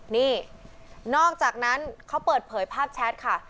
นี่นอกจากนั้นเขาเปิดเผยภาพแชทค่ะ